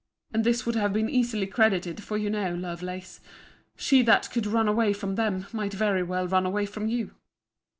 And this would have been easily credited; for you know, Lovelace, she that could run away from them, might very well run away from you.